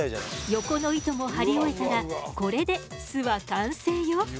横の糸も張り終えたらこれで巣は完成よ。